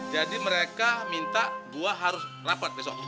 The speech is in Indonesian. jadi mereka minta gua harus rapat besok